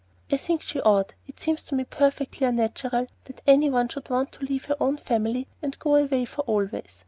'" "I think she ought. It seems to me perfectly unnatural that any one should want to leave her own family and go away for always.